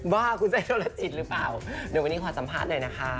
บ้าหรือเปล่าเดินไว้ก่อนสัมภาษณ์หน่อยนะคะ